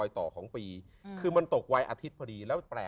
ต้องระบบที่